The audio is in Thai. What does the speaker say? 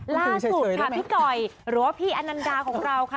ล่าสุดค่ะพี่ก่อยหรือว่าพี่อนันดาของเราค่ะ